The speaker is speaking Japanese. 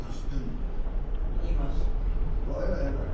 あ偉い偉い。